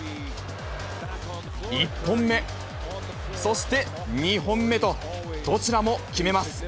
１本目、そして２本目と、どちらも決めます。